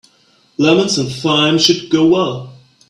Lemons and thyme should go well.